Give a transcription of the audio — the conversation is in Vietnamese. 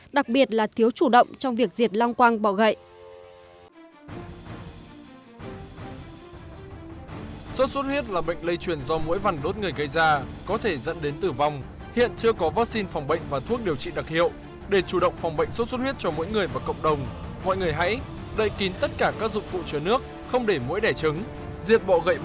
đặc biệt là thiếu chủ động trong việc diệt long quang bọ gậy